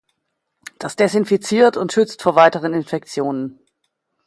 Das desinfiziert und schützt vor weiteren Infektionen.